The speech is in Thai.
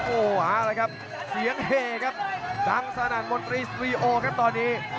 โอ้หาอะไรครับเสียงเฮครับดังสนั่นบน๓๐ครับตอนนี้